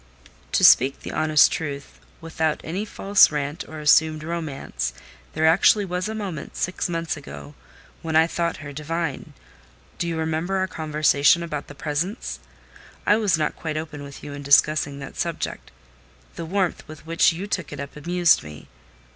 "To speak the honest truth, without any false rant or assumed romance, there actually was a moment, six months ago, when I thought her divine. Do you remember our conversation about the presents? I was not quite open with you in discussing that subject: the warmth with which you took it up amused me.